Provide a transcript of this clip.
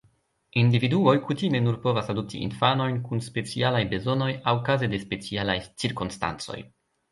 Individuoj kutime nur povas adopti infanojn kun specialaj bezonoj aŭ kaze de specialaj cirkonstancoj.